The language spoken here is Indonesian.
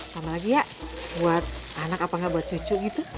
sama lagi ya buat anak apa enggak buat cucu gitu